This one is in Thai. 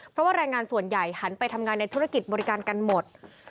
เพราะว่าแรงงานส่วนใหญ่หันไปทำงานในธุรกิจบริการกันหมด